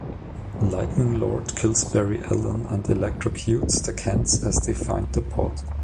Lightning Lord kills Barry Allen and electrocutes the Kents as they find the pod.